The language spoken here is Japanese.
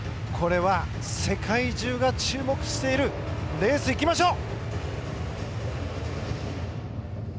世界中が注目しているレース、いきましょう。